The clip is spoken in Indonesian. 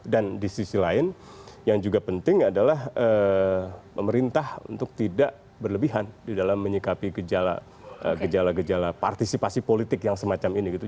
dan di sisi lain yang juga penting adalah pemerintah untuk tidak berlebihan di dalam menyikapi gejala gejala partisipasi politik yang semacam ini gitu